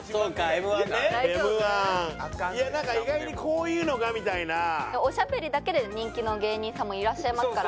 なんか意外にこういうのがみたいな。おしゃべりだけで人気の芸人さんもいらっしゃいますから。